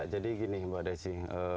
jadi gini mbak desi